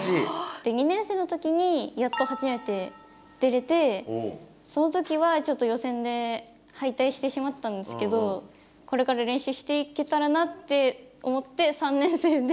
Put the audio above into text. で２年生の時にやっと初めて出れてそのときはちょっと予選で敗退してしまったんですけどこれから練習していけたらなって思って学生生活の。